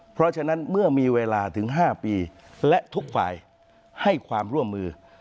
เพราะฉะนั้นเมื่อมีเวลาถึง๕ปีและทุกฝ่ายให้ความร่วมมือ